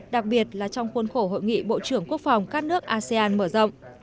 đặc biệt là trong khuôn khổ hội nghị bộ trưởng quốc phòng các nước asean mở rộng